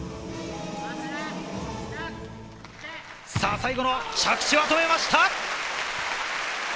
最後の着地、止めました。